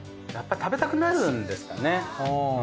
やっぱり食べたくなるんですかね。